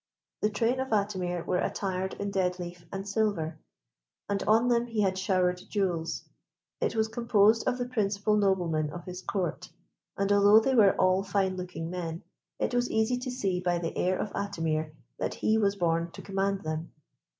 The train of Atimir were attired in dead leaf and silver, and on them he had showered jewels. It was composed of the principal noblemen of his Court, and although they were all fine looking men, it was easy to see by the air of Atimir that he was born to command them.